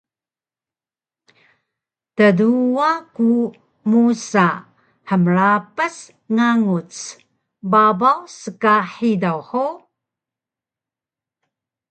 Tduwa ku musa hmrapas nganguc babaw ska hidaw hug?